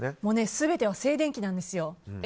全ては静電気なんですよ。